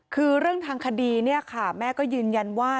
คือเรื่องทางคดีเนี่ยค่ะแม่ก็ยืนยันว่า